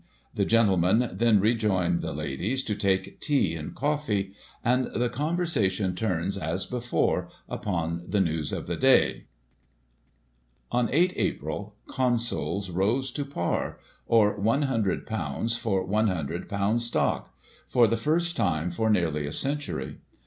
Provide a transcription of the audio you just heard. The gentlemen then rejoin the ladies to take tea and coffee, and the conversation turns, as before, upon the news of the day." On 8 April, Consols rose to par, or ;^ 100 for ;^ 100 stock, for the first time for nearly a century.